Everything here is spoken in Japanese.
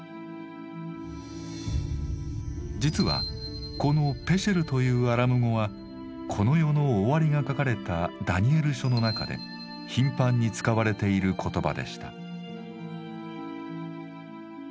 実はこの「ぺシェル」というアラム語はこの世の終わりが書かれた「ダニエル書」の中で頻繁に使われている言葉でした。